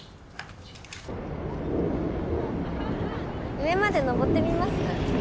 上まで登ってみます？